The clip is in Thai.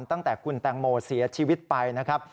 ตั้งแต่คุณแตงโมเสียชีวิตไปนะครับ